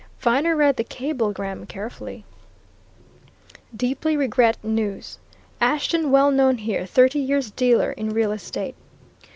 Viner read the cablegram carefully: Deeply regret news. Ashton well known here thirty years dealer in real estate.